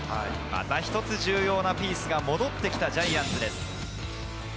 重要なピースが一つ戻ってきたジャイアンツです。